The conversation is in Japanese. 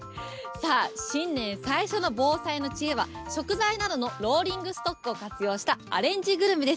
さあ、新年最初の防災の知恵は、食材などのローリングストックを活用したアレンジグルメです。